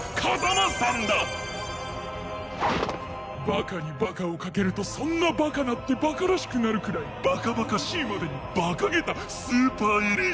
バカにバカを掛けるとそんなバカなってバカらしくなるくらいバカバカしいまでにバカげたスーパーエリートになる。